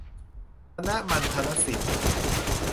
คณะมัณฑนศิลป์